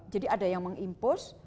jadi ada yang mengimpos